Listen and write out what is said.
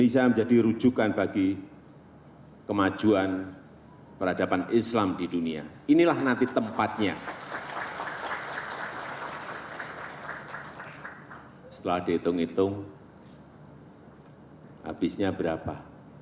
setelah dihitung hitung habisnya berapa